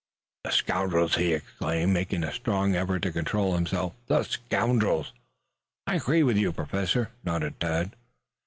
"The scoundrels!" he exclaimed, making a strong effort to control himself. "The scoundrels!" "I agree with you, Professor," nodded Tad.